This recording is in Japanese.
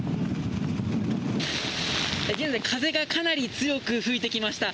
現在、風がかなり強く吹いてきました。